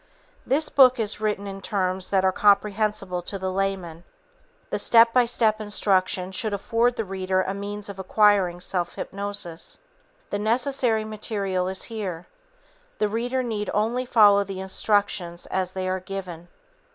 This book is written in terms that are comprehensible to the layman. The step by step instructions should afford the reader a means of acquiring self hypnosis. The necessary material is here. The reader need only follow the instructions as they are given.